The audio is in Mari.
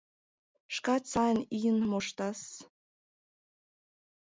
— Шкат сайын ийын моштас.